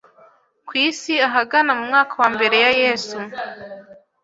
ku isi ahagana mu mwaka wa mbere ya Yesu.